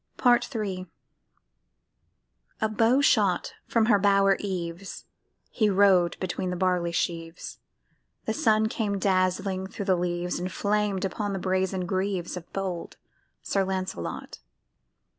PART III A bow shot from her bower eaves, He rode between the barley sheaves, The sun came dazzling thro' the leaves, And flamed upon the brazen greaves Of bold Sir Lancelot.